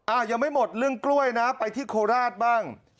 ยังไม่หมดเรื่องกล้วยนะไปที่โคราชบ้าง